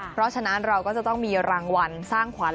เพราะฉะนั้นเราก็จะต้องมีรางวัลสร้างขวัญ